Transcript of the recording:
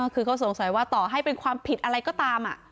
คือเขาสงสัยว่าต่อให้เป็นความผิดอะไรก็ตาม